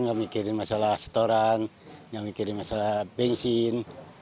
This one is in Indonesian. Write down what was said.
nggak mikirin masalah setoran nggak mikirin masalah bensin